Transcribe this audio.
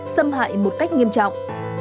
xâm hại một cách nghiêm trọng